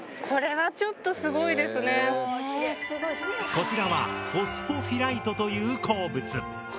こちらはフォスフォフィライトという鉱物。